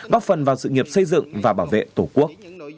góp phần vào sự nghiệp xây dựng và bảo vệ tổ quốc